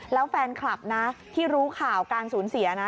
แล้วแฟนคลับนะที่รู้ข่าวการสูญเสียนะ